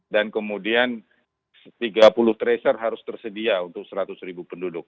dan kemudian tiga puluh tracer harus tersedia untuk seratus ribu penduduk